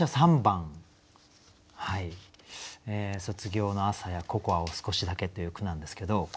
「卒業の朝やココアを少しだけ」っていう句なんですけど